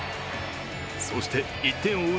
そして１点を追う